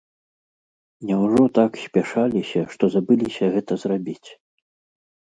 Няўжо так спяшаліся, што забыліся гэта зрабіць?